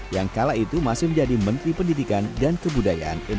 yang kala itu masih menjadi menteri pertanian